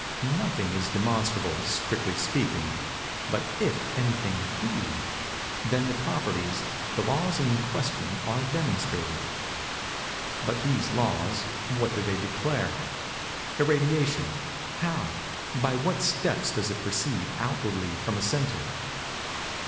Nothing is demonstrable, strictly speaking; but if anything be, then the properties—the laws in question are demonstrated. But these laws—what do they declare? Irradiation—how—by what steps does it proceed outwardly from a centre?